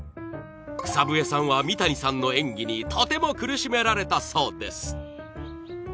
草笛さんは三谷さんの演技にとても苦しめられたそうです